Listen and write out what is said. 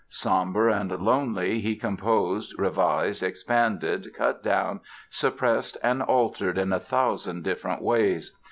Sombre and lonely he composed, revised, expanded, cut down, suppressed and altered in a thousand different ways.